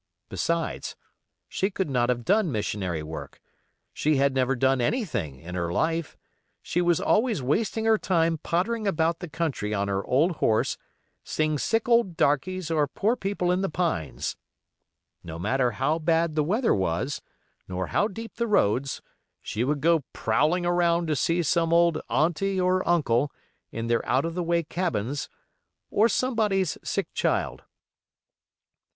Besides, she could not have done missionary work; she had never done anything in her life; she was always wasting her time pottering about the country on her old horse, seeing sick old darkies or poor people in the pines. No matter how bad the weather was, nor how deep the roads, she would go prowling around to see some old "aunty" or "uncle", in their out of the way cabins, or somebody's sick child.